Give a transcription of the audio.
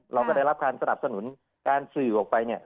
เราก็ได้รับการสนับสนุนการสื่อออกไปเนี่ย